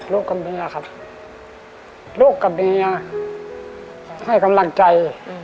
กับเมียครับลูกกับเมียให้กำลังใจ